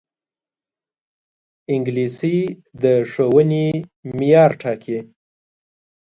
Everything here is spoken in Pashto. انګلیسي د ښوونې معیار ټاکي